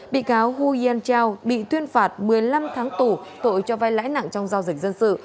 bị cáo hu yan chao bị tuyên phạt một mươi năm tháng tù tội cho vai lãi nặng trong giao dịch dân sự